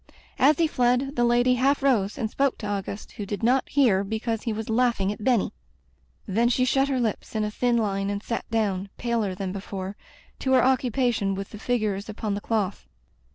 As he fled, the lady half rose and spoke to Auguste, who did not hear because he was laughing at Benny. Then she shut her lips in a thin line and sat down, paler than before, to her occupation with the figures upon the cloth.